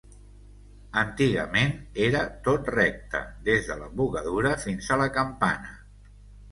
Antigament era tot recte, des de l'embocadura fins a la campana.